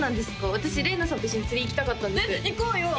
私れいなさんと一緒に釣り行きたかったんですえっ行こうよ！